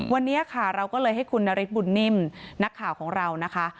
วันนี้ค่ะเราก็เลยให้คุณนฤทธบุญนิ่มนักข่าวของเรานะคะ